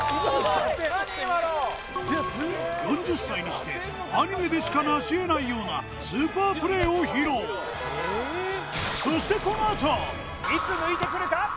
４０歳にしてアニメでしか成しえないようなスーパープレーを披露そしていつ抜いてくるか？